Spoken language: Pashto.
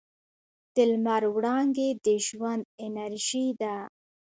د لمر وړانګې د ژوند انرژي ده.